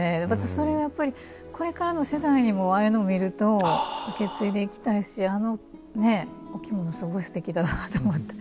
それがやっぱりこれからの世代にもああいうの見ると受け継いでいきたいしあのお着物すごいすてきだなって思って。